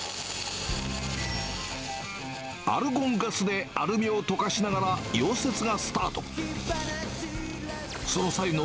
アルゴンガスでアルミを溶かしながら、溶接がスタート。